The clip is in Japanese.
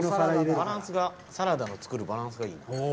バランスがサラダを作るバランスがいいな。